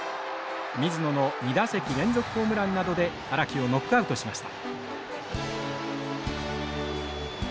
水野の２打席連続ホームランなどで荒木をノックアウトしました。